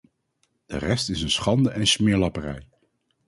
De rest is een schande en smeerlapperij!